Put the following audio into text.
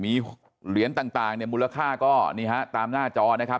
มีเหรียญต่างเนี่ยมูลค่าก็นี่ฮะตามหน้าจอนะครับ